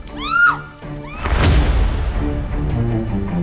jangan lupa subscribe channel ini